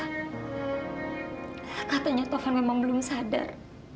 katanya tovan memang belum sadar